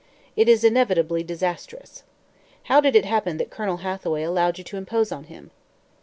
It is inevitably disastrous. How did it happen that Colonel Hathaway allowed you to impose on him?"